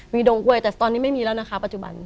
มีดงก้วยแต่ตอนนี้ไม่มีแล้วค่ะ